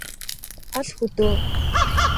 хол хөдөө